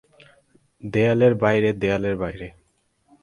দেয়ালের বাইরে, দেয়ালের বাইরে।